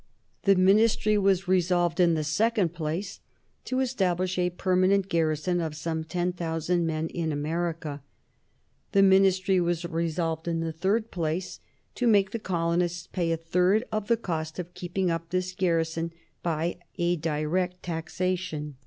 The Ministry was resolved, in the second place, to establish a permanent garrison of some ten thousand men in America. The Ministry was resolved, in the third place, to make the colonists pay a third of the cost of keeping up this garrison by a direct taxation.